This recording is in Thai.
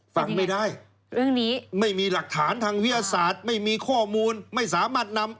ฟังไม่ได้เรื่องนี้ไม่มีหลักฐานทางวิทยาศาสตร์ไม่มีข้อมูลไม่สามารถนำ